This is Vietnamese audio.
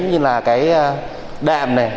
như là đàm này